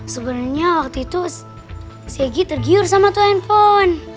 sebenernya waktu itu si egy tergiur sama tuah handphone